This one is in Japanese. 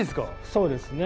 そうですね。